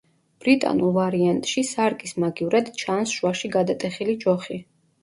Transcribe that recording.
ბრიტანულ ვარიანტში სარკის მაგივრად ჩანს შუაში გადატეხილი ჯოხი.